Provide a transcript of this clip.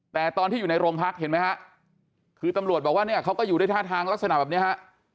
แต่ตอนที่อยู่ในโรงพักเห็นไหมฮะคือตำรวจบอกว่าเนี่ยเขาก็อยู่ด้วยท่าทางลักษณะแบบนี้ฮะ